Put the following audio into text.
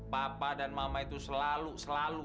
papa dan mama itu selalu selalu